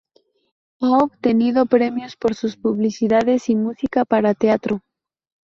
Ha obtenido premios por sus publicidades y música para teatro.